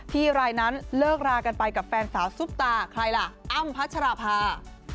ที่รายนั้นเลิกรากันไปกับแฟนสาวซุบตาใครล่ะ